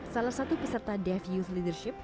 salah satu peserta def youth leadership